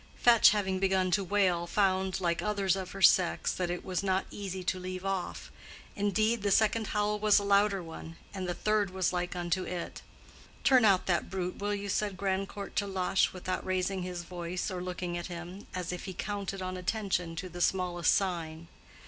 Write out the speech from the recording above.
Fetch, having begun to wail, found, like others of her sex, that it was not easy to leave off; indeed, the second howl was a louder one, and the third was like unto it. "Turn out that brute, will you?" said Grandcourt to Lush, without raising his voice or looking at him—as if he counted on attention to the smallest sign.